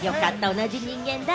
同じ人間だ！